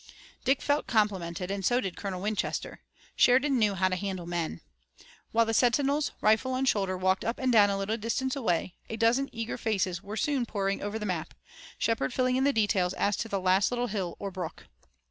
Dick felt complimented, and so did Colonel Winchester. Sheridan knew how to handle men. While the sentinels, rifle on shoulder, walked up and down a little distance away, a dozen eager faces were soon poring over the map, Shepard filling in details as to the last little hill or brook.